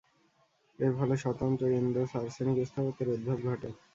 এর ফলে স্বতন্ত্র ইন্দো-সারাসেনিক স্থাপত্যের উদ্ভব ঘটে।